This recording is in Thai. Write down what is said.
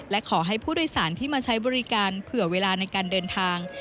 และขอให้ผู้โดยสารที่มาใช้บริการเผื่อเวลาในการเดินทาง